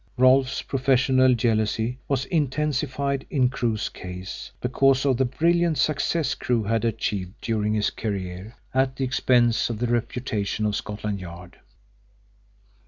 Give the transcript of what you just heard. Rolfe's professional jealousy was intensified in Crewe's case because of the brilliant successes Crewe had achieved during his career at the expense of the reputation of Scotland Yard.